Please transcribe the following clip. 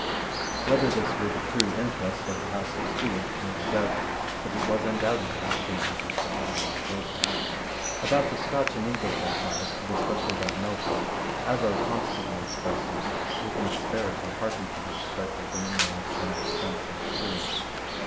Whether this were the true interest of the House of Stuart may be doubted. But it was undoubtedly the true interest of the House of Bourbon, About the Scotch and English exiles, and especially about Melfort, Avaux constantly expressed himself with an asperity hardly to have been expected from a man of so much sense and experience.